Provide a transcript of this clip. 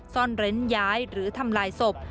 ซ่อนเร้นย้ายหรือทำลายศพ